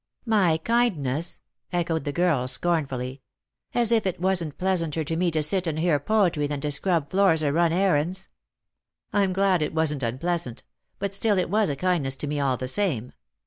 " My kindness !" echoed the girl scornfully. " As if it wasn't pleasanter to me to sit and hear poetry than to scrub floors or run errands." "I'm glad it wasn't unpleasant; but still it was a kindness to me all the same.